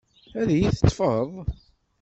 Ad iyi-teṭṭefeḍ?